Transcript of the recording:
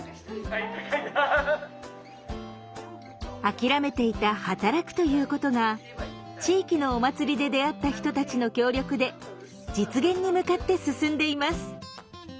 諦めていた「働く」ということが地域のお祭りで出会った人たちの協力で実現に向かって進んでいます。